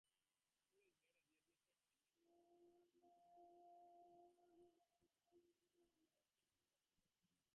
Two days later, the administration proceeded to reinstate further censorship measures.